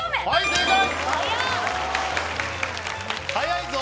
正解。